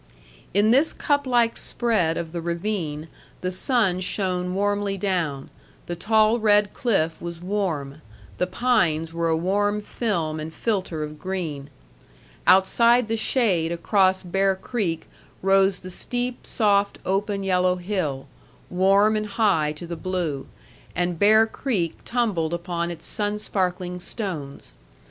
In this cup like spread of the ravine the sun shone warmly down, the tall red cliff was warm, the pines were a warm film and filter of green; outside the shade across Bear Creek rose the steep, soft, open yellow hill, warm and high to the blue, and Bear Creek tumbled upon its sunsparkling stones.